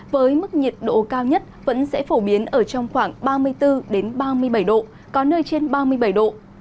với mức nhiệt độ cao nhất vẫn sẽ phổ biến ở trong khoảng ba mươi bốn ba mươi bảy độ có nơi trên ba mươi bảy độ